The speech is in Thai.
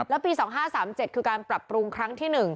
แล้วปี๒๕๓๗คือการปรับปรุงครั้งที่๑